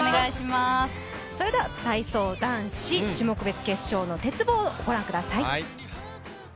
体操男子、種目別決勝の鉄棒をご覧ください。